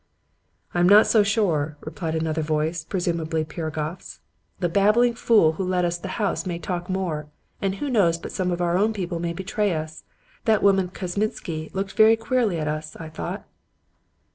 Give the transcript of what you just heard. "'I am not so sure,' replied another voice presumably Piragoff's. 'The babbling fool who let us the house may talk more; and who knows but some of our own people may betray us. That woman Kosminsky looked very queerly at us, I thought.'